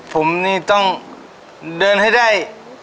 ผมนี่ต้องเดินให้ได้